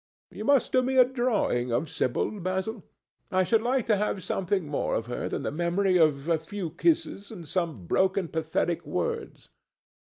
You must do me a drawing of Sibyl, Basil. I should like to have something more of her than the memory of a few kisses and some broken pathetic words."